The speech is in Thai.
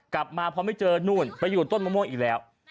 กลับมาพอไม่เจอนู่นไปอยู่ต้นมะม่วงอีกแล้ว